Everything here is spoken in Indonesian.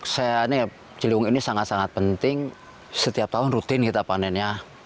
saya ini ciliwung ini sangat sangat penting setiap tahun rutin kita panennya